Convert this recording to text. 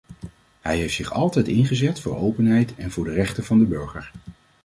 Hij heeft zich altijd ingezet voor openheid en voor de rechten van de burger.